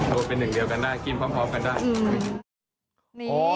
เป็นหนึ่งเดียวกันได้กินพร้อมกันได้